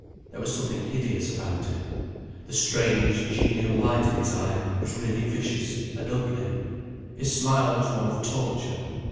There was something hideous about it. The strange, genial light in his eye was really vicious, and ugly, his smile was one of torture.